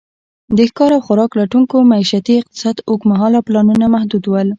د ښکار او خوراک لټونکو معیشتي اقتصاد اوږد مهاله پلانونه محدود ول.